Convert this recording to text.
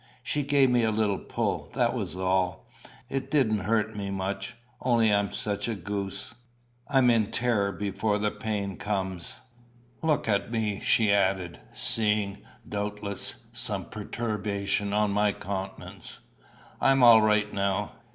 She gave me a little pull, that was all. It didn't hurt me much, only I'm such a goose! I'm in terror before the pain comes. Look at me," she added, seeing, doubtless, some perturbation on my countenance, "I'm all right now."